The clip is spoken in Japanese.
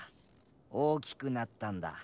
大きくなったんだ。